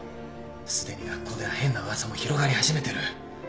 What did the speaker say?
すでに学校では変な噂も広がり始めてる。